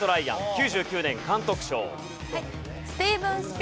９９年監督賞。